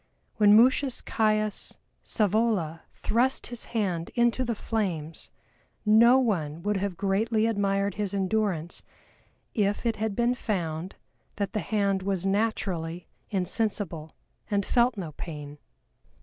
When MUTIUS CAIUS SCAEVOLA thrust his hand into the flames no one would have greatly admired his endurance if it had been found that the hand was naturally insensible and felt no pain.